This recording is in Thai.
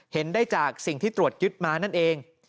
เห็นได้จากสิ่งที่ตรวจยึดมานั่นเอง